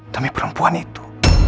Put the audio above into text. demi perempuan itu